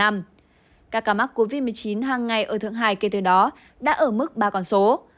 các ca mắc covid một mươi chín hàng ngày ở thượng hải kể từ đó đã ở mức ba con số